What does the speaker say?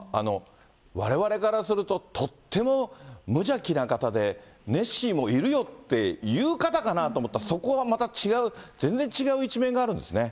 われわれからすると、とっても無邪気な方で、ネッシーもいるよって言う方かなと思ったら、そこはまた違う、全然違う一面があるんですね。